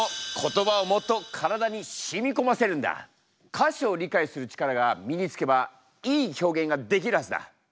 歌詞を理解する力が身に付けばいい表現ができるはずだ。